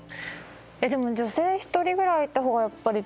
でも女性１人ぐらい行った方がやっぱり。